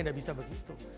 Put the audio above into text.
tidak bisa begitu